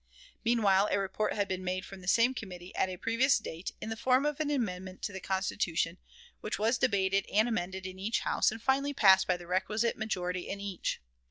Meanwhile, a report had been made from the same committee, at a previous date, in the form of an amendment to the Constitution, which was debated and amended in each House, and finally passed by the requisite majority in each.